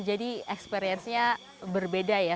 jadi eksperiensnya berbeda ya